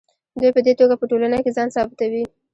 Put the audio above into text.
دوی په دې توګه په ټولنه کې ځان ثابتوي.